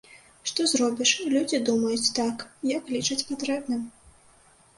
Што зробіш, людзі думаюць так, як лічаць патрэбным!